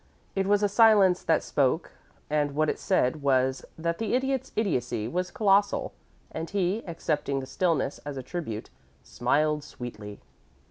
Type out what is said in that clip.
It was a silence that spoke, and what it said was that the Idiot's idiocy was colossal, and he, accepting the stillness as a tribute, smiled sweetly.